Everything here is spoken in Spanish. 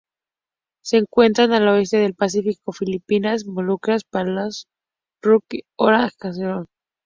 Se encuentran al oeste del Pacífico: Filipinas, Molucas, Palaos, las Ryukyu y Nueva Caledonia.